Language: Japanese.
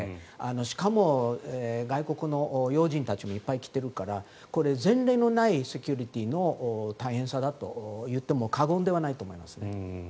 しかも外国の要人たちもいっぱい来ているからこれ、前例のないセキュリティーの大変さだと言っても過言ではないと思います。